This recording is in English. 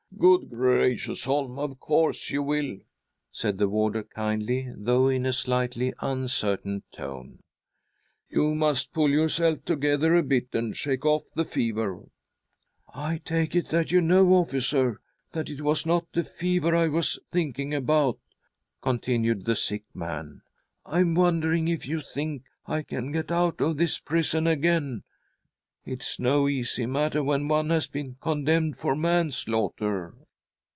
" Good gracious, Holm, of course you will," said the warder kindly, though in a slightly uncertain tone. " You must pull yourself together a bit, and shake off the fever." " I take it that you know, officer, that it was •I .■."....}."..■'■/.•.'..'■' THE STRUGGLE OF A SOUL 143 not the fever I was thinking about," continued the sick man. " I am wondering if you think I can get out of this prison again ; it's no easy matter when one has been condemned for manslaughter."